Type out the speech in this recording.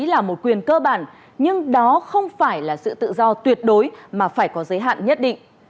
là một quyền cơ bản nhưng đó không phải là sự tự do tuyệt đối mà phải có giới hạn nhất định